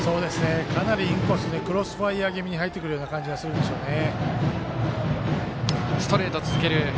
かなりインコースクロスファイアー気味に入ってくるような感じがするんでしょうね。